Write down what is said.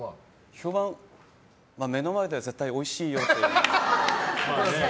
評判、目の前で絶対おいしいよって。